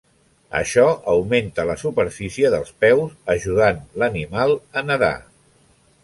Això augmenta la superfície dels peus, ajudant l'animal a nedar.